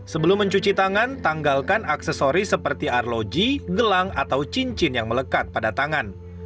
sebelum mencuci tangan tanggalkan aksesori seperti arloji gelang atau cincin yang melekat pada tangan